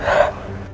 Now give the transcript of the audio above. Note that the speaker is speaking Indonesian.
ini akan berhenti